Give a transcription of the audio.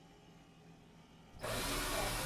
আর সেটা হবে কখন?